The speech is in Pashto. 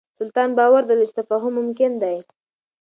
سلطان باور درلود چې تفاهم ممکن دی.